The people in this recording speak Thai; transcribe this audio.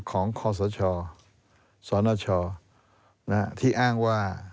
ของข้อสชสนชที่อ้างว่า